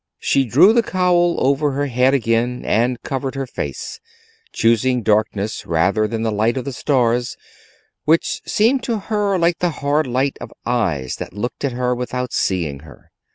She drew the cowl over her head again and covered her face, choosing darkness rather than the light of the stars, which seemed to her like the hard light of eyes that looked at her without seeing her.